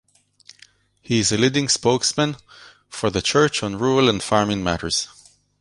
He is a leading spokesman for the church on rural and farming matters.